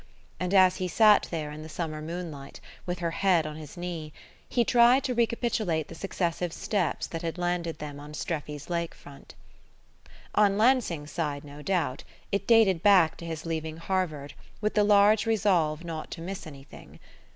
And as he sat there in the summer moonlight, with her head on his knee, he tried to recapitulate the successive steps that had landed them on Streffy's lake front. On Lansing's side, no doubt, it dated back to his leaving Harvard with the large resolve not to miss anything.